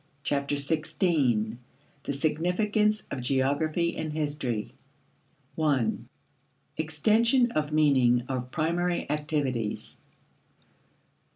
Chapter Sixteen: The Significance of Geography and History 1. Extension of Meaning of Primary Activities.